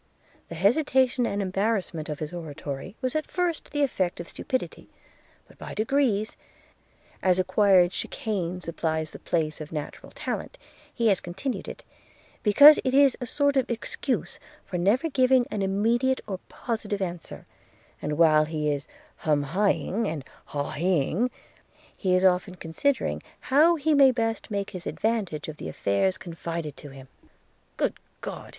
The hesitation and embarrassment of his oratory was at first the effect of stupidity; but by degrees, as acquired chicane supplies the place of natural talent, he has continued it, because it is a sort of excuse for never giving an immediate or positive answer; and while he is hum a ing and haw a ing, he is often considering how he may best make his advantage of the affairs confided to him.' 'Good God!'